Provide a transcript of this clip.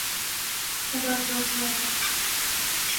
金朝废。